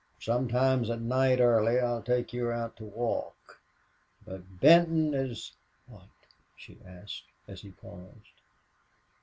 Sometimes at night early I'll take you out to walk. But Benton is " "What?" she asked, as he paused.